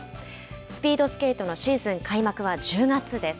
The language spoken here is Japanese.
スピードスケートのシーズン開幕は１０月です。